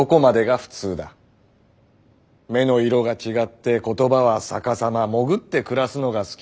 目の色が違って言葉は逆さま潜って暮らすのが好き。